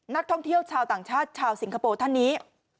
นักท่องเที่ยวชาวต่างชาติชาวสิงคโปร์ท่านนี้